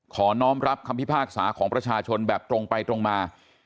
น้องรับคำพิพากษาของประชาชนแบบตรงไปตรงมา